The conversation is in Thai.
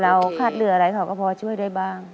เราขาดเหลืออะไรเขาก็พอช่วยด้วยบ้าง